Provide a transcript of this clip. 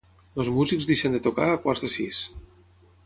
Els músics deixen de tocar a quarts de sis.